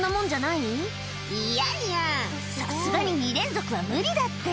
いやいや、さすがに２連続は無理だって。